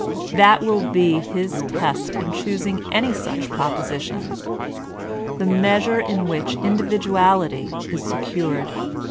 That will be his test in choosing any such proposi tion, — the measure in which individuality is secured.